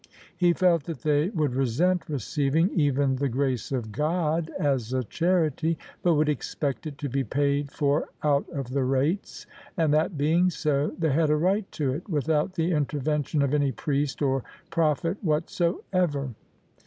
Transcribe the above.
He fdt that they would resent receiving even the grace of God as a charity, but would expect it to be paid for out of the rates : and, that being so, they had a right to it, without the intervention of any priest or prophet whatso ever.